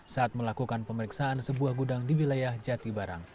saat melakukan pemeriksaan sebuah gudang di wilayah jatibarang